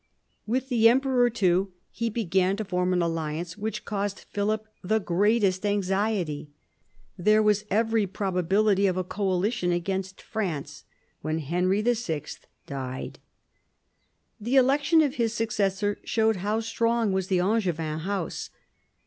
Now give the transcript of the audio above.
With the emperor too he began to 60 PHILIP AUGUSTUS chap. form an alliance, which caused Philip the greatest anxiety. There was every probability of a coalition against France, when Henry VI. died. The election of his successor showed how strong was the Angevin house.